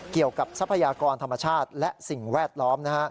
ทรัพยากรธรรมชาติและสิ่งแวดล้อม